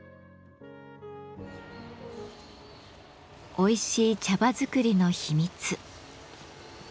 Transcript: おいしい茶葉づくりの秘密。